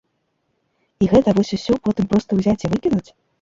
І гэта вось усё потым проста ўзяць і выкінуць?